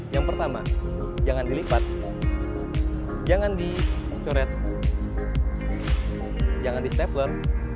yang pertama jangan dilipat jangan dicoret jangan di stepler